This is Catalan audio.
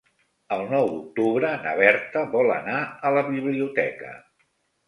El nou d'octubre na Berta vol anar a la biblioteca.